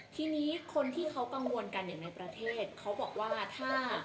ทีนี้คนที่เขากังวลกันอย่างในประเทศเขาบอกว่าถ้า